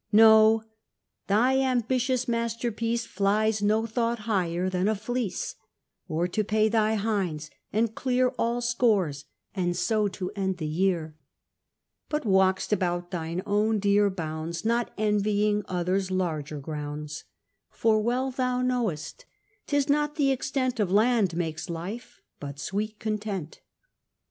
No, thy ambition's master piece Flies no thought higher than a fleece: Or how to pay thy hinds, and clear All scores: and so to end the year: But walk'st about thine own dear bounds, Not envying others' larger grounds: For well thou know'st, 'tis not th' extent Of land makes life, but sweet content.